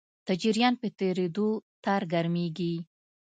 د جریان په تېرېدو تار ګرمېږي.